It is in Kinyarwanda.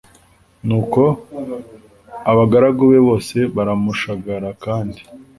nuko abagaragu be bose baramushagara kandi